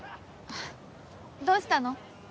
どうしたの？